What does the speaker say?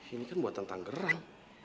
ini kan buat tentang gerang